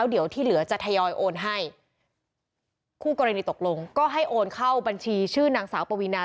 เดี๋ยวที่เหลือจะทยอยโอนให้คู่กรณีตกลงก็ให้โอนเข้าบัญชีชื่อนางสาวปวีนา